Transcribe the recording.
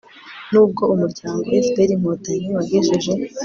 n'ubwo umuryango fpr-inkotanyi wagejeje